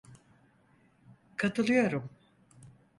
KatıIıyorum.